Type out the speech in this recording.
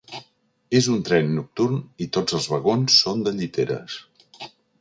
És un tren nocturn i tots els vagons són de lliteres.